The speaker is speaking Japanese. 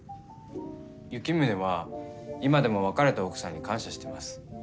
ユキムネは今でも別れた奥さんに感謝してます。